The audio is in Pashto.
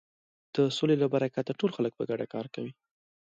د سولې له برکته ټول خلک په ګډه کار کوي.